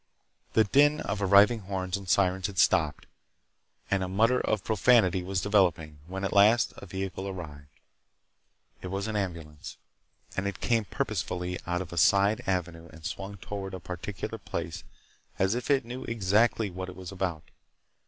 The din of arriving horns and sirens had stopped, and a mutter of profanity was developing, when a last vehicle arrived. It was an ambulance, and it came purposefully out of a side avenue and swung toward a particular place as if it knew exactly what it was about.